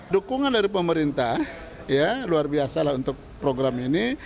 dukungan dari pemerintah luar biasa untuk program ini